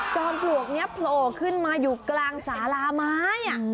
ปลวกนี้โผล่ขึ้นมาอยู่กลางสาลาไม้